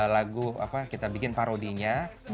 lagu apa kita bikin parodinya